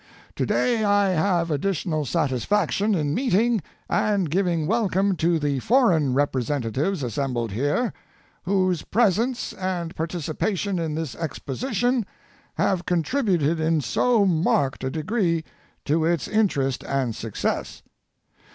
To day I have additional satisfaction in meet ing and giving welcome to the foreign representatives assembled here, whose presence and participation in this exposition have contributed in so marked a de gree to its interest and success.